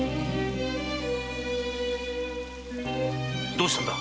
どうしたんだ？